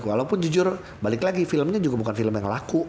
walaupun jujur balik lagi filmnya juga bukan film yang laku